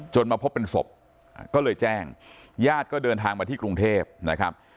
มาพบเป็นศพก็เลยแจ้งญาติก็เดินทางมาที่กรุงเทพนะครับ